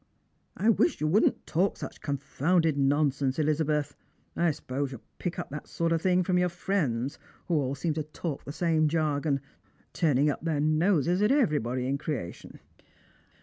" I wish you wouldn't talk such confounded nonsense, Eliza beth. I suppose you pick up that sort of thing from your friends, who all seem to talk the same jargon, turning up their noses at everybody in creation."